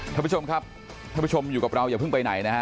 ท่านผู้ชมครับท่านผู้ชมอยู่กับเราอย่าเพิ่งไปไหนนะฮะ